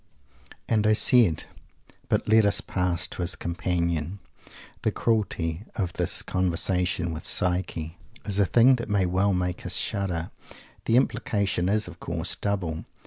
"And I said" but let us pass to his Companion. The cruelty of this conversation with "Psyche" is a thing that may well make us shudder. The implication is, of course, double.